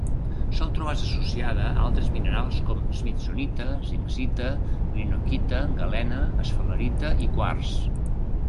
Sol trobar-se associada a altres minerals com: smithsonita, zincita, greenockita, galena, esfalerita i quars.